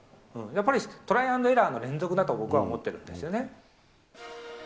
やっぱり、トライ＆エラーの連続だと、僕は思っているんですよね。